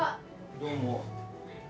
どうも。